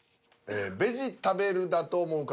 ベジたべるだと思う方。